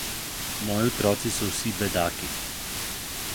Moji otroci so vsi bedaki.